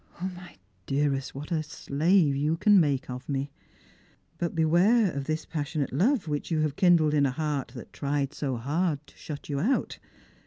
my dearest, what a slave you can make of me ! But beware of this passionate love which you have kindled in a heart that tried so hard to shut you out.